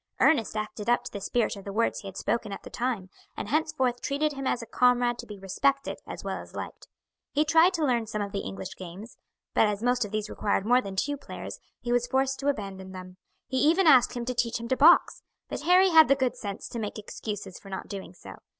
Ernest acted up to the spirit of the words he had spoken at the time, and henceforth treated him as a comrade to be respected as well as liked. He tried to learn some of the English games, but as most of these required more than two players he was forced to abandon them. He even asked him to teach him to box, but Harry had the good sense to make excuses for not doing so.